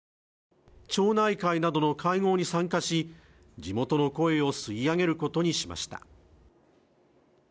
町内会などの会合に参加し地元の声を吸い上げることにしました。